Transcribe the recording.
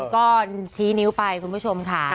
ก็ชี้นิ้วไปคุณผู้ชมค่ะ